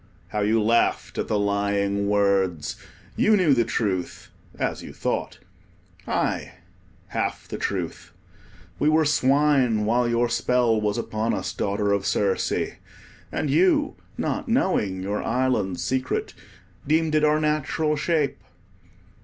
how you laughed at the lying words. You knew the truth—as you thought: aye, half the truth. We were swine while your spell was upon us, Daughter of Circe, and you, not knowing your island secret, deemed it our natural shape.